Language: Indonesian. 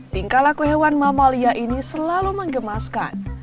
tingkah laku hewan mamalia ini selalu mengemaskan